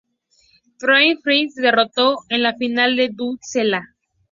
Taylor Fritz derrotó en la final a Dudi Sela.